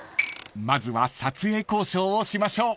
［まずは撮影交渉をしましょう］